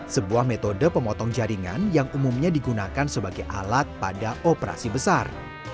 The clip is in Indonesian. sebuah metode pemotong jaringan yang umumnya digunakan sebagai alat pada operasi besar